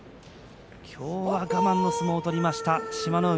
今日は我慢の相撲を取りました志摩ノ海。